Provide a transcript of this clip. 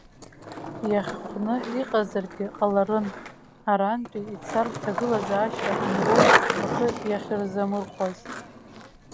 Иахьхәны иҟазаргьы ҟаларын арантәи ицартә аҭагылазаашьа анроу рхы иахьырзамырхәаз.